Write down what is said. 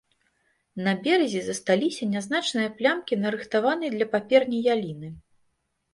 На беразе засталіся нязначныя плямкі нарыхтаванай для паперні яліны.